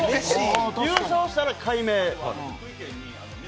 優勝したら改名？。